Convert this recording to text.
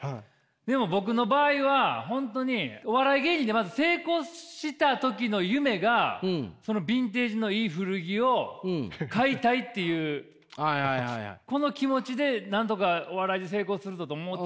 でも僕の場合は本当にお笑い芸人でまず成功した時の夢がそのビンデージのいい古着を買いたいっていうこの気持ちでなんとかお笑いで成功するぞと思ってたんで。